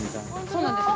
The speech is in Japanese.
◆そうなんですよ。